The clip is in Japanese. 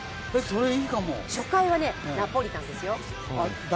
初回はナポリタンですよ。